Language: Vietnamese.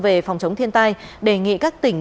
về phòng chống thiên tai đề nghị các tỉnh